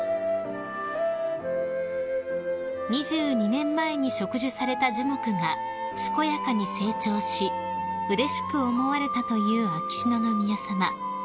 ［２２年前に植樹された樹木が健やかに成長しうれしく思われたという秋篠宮さま］